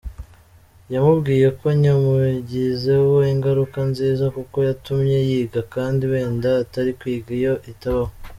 Yamubwiye ko yamugizeho ingaruka nziza kuko yatumye yiga kandi wenda atari kwiga iyo itabaho.